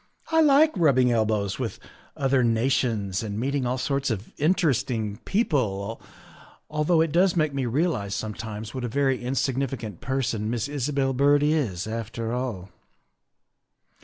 " I like rubbing elbows with other nations and meeting all sorts of interesting people, although it does make me realize sometimes what a very insignificant person Miss Isabel Byrd is, after all."